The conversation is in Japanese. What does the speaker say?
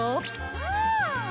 うん！